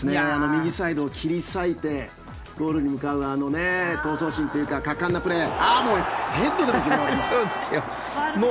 右サイドを切り裂いてゴールに向かうあの闘争心というか果敢なプレー。